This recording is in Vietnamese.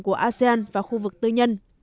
của asean và khu vực tư nhân